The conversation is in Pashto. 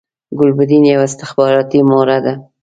ګلبدین یوه استخباراتی مهره ده